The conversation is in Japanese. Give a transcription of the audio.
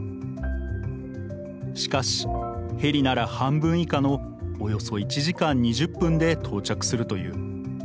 しかしヘリなら半分以下のおよそ１時間２０分で到着するという。